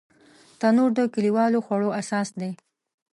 تنور د کلیوالو خوړو اساس دی